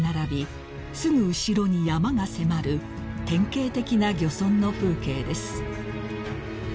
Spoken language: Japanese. すぐ後ろに山が迫る典型的な漁村の風景です］